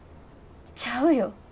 ちゃうよ。